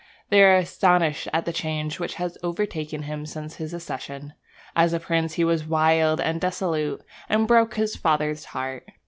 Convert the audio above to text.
They are astonished at the change which has overtaken him since his accession. As a prince he was wild and dissolute, and broke his father's heart.